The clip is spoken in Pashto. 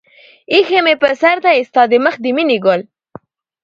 اىښى مې پر سر دى ستا د مخ د مينې گل